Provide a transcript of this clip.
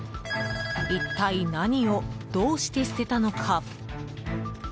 一体何を、どうして捨てたのか。